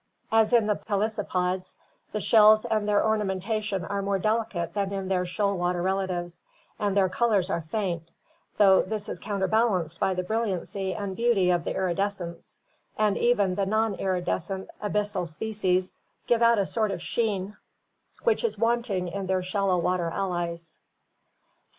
As in the pelecypods, the shells and their ornamentation are more delicate than in their shoal water relatives, and their colors are faint, "though often this is counterbalanced by the brilliancy and beauty of the iridescence, and even the non iridescent abyssal species give out a sort of sheen, which is wanting in their shallow water allies" (Grabau).